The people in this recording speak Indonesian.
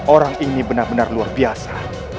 orang ini benar benar luar biasa